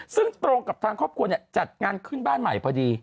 ซึ่งตรงกับทางครอบครัวจัดงานขึ้นบ้านใหม่พอดี